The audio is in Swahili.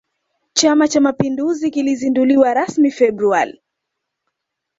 chama cha mapinduzi kilizinduliwa rasmi februari